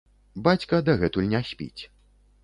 Бацька дагэтуль не спіць.